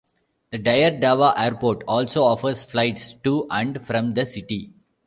The Dire Dawa Airport also offers flights to and from the city.